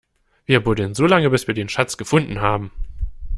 Wir buddeln so lange, bis wir den Schatz gefunden haben!